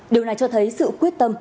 điều này cho thấy sự quyết tâm